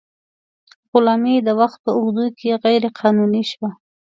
غلامي د وخت په اوږدو کې غیر قانوني شوه.